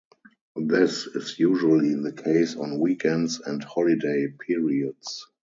This is usually the case on weekends and holiday periods.